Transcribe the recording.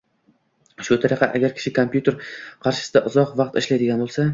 Shu tariqa, agar kishi kompyuter qarshisida uzoq vaqt ishlaydigan bo‘lsa